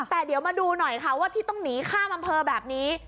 แต่เดี๋ยวมาดูหน่อยค่ะว่าที่ต้องหนีข้ามอำเภอแบบนี้